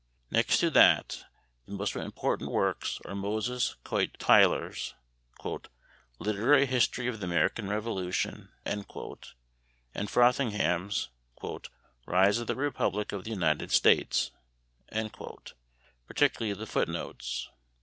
Next to that, the most important works are Moses Coit Tyler's "Literary History of the American Revolution," and Frothingham's "Rise of the Republic of the United States," particularly the foot notes.